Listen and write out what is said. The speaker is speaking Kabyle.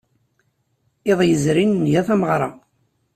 Iḍ yezrin, nga tameɣra.